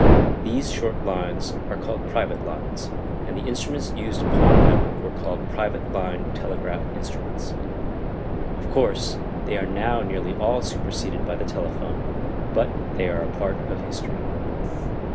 These short lines are called private lines, and the instruments used upon them were called private line telegraph instruments. Of course they are now nearly all superseded by the telephone, but they are a part of history.